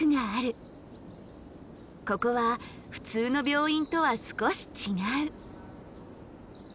ここは普通の病院とは少し違う。